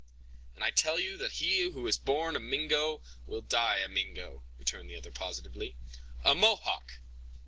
"And I tell you that he who is born a Mingo will die a Mingo," returned the other positively. "A Mohawk!